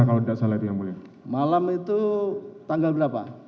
malam itu tanggal berapa